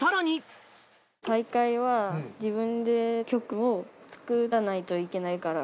大会は、自分で曲を作らないといけないから。